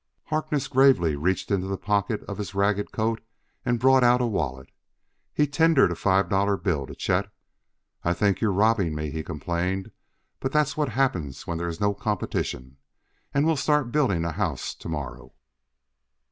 Harkness gravely reached into the pocket of his ragged coat and brought out a wallet. He tendered a five dollar bill to Chet. "I think you're robbing me," he complained, "but that's what happens when there is no competition. And we'll start building a house to morrow."